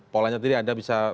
polanya tadi ada bisa